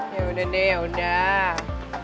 ya udah deh ya udah